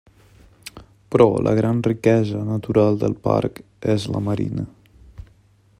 Però la gran riquesa natural del parc és la marina.